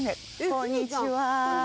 こんにちは。